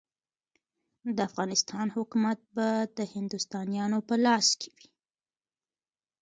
د افغانستان حکومت به د هندوستانیانو په لاس کې وي.